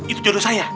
itu jodoh saya